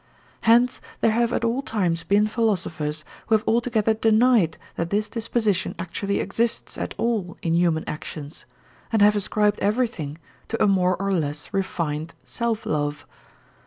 Hence there have at all times been philosophers who have altogether denied that this disposition actually exists at all in human actions, and have ascribed everything to a more or less refined self love.